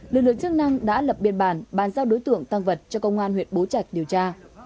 lực lượng chức năng đã lập biên bản bàn giao đối tượng tăng vật cho công an huyện bố trạch điều tra